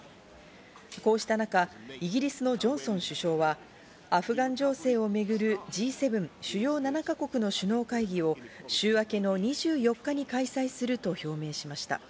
こうした中、イギリスのジョンソン首相はアフガン情勢を巡るＧ７＝主要７か国首脳会議を週明けの２４日に開催すると表明しました。